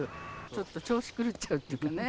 ちょっと調子狂っちゃうっていうかね。